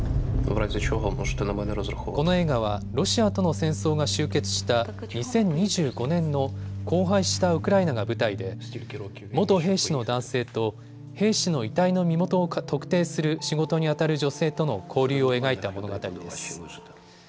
この映画はロシアとの戦争が終結した２０２５年の荒廃したウクライナが舞台で元兵士の男性と兵士の遺体の身元を特定する仕事にあたる女性との交流を描いた物語です。